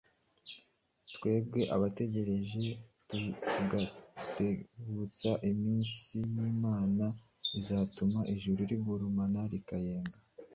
twebwe abategereza tugatebutsa umunsi w’Imana uzatuma ijuru rigurumana rikayenga,